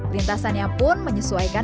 rintasannya pun menyesuaikan